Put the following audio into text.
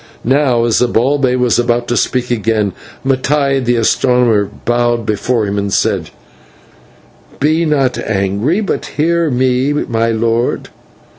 Now, as Zibalbay was about to speak again, Mattai the astronomer bowed before him and said: "Be not angry, but hear me, my lord.